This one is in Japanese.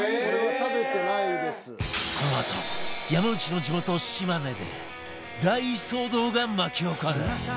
このあと山内の地元島根で大騒動が巻き起こる！